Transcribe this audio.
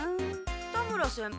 田村先輩？